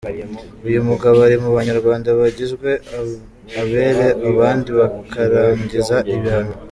Uyu mugabo ari mu Banyarwanda bagizwe abere abandi bakarangiza ibihano.